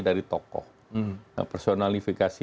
dari tokoh nah personalifikasi